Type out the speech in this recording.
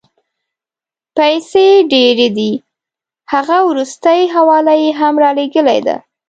پیسې ډېرې دي، هغه وروستۍ حواله یې هم رالېږلې ده.